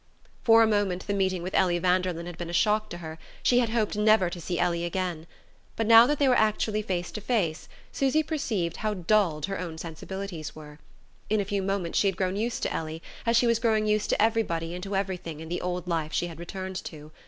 For a moment the meeting with Ellie Vanderlyn had been a shock to her; she had hoped never to see Ellie again. But now that they were actually face to face Susy perceived how dulled her sensibilities were. In a few moments she had grown used to Ellie, as she was growing used to everybody and to everything in the old life she had returned to.